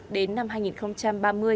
đến năm hai nghìn ba mươi